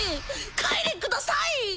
帰れください！